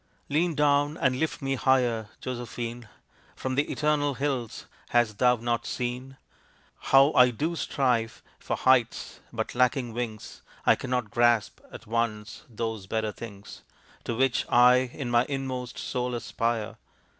Lean down and lift me higher, Josephine! From the Eternal Hills hast thou not seen How I do strive for heights? but lacking wings, I cannot grasp at once those better things To which I in my inmost soul aspire.